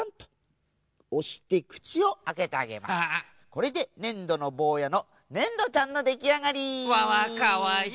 これでねんどのぼうやのねんどちゃんのできあがり！わわっかわいい。